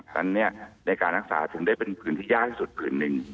นั้นในการรักษาถึงได้เป็นพื้นที่ยากที่สุดพื้นหนึ่ง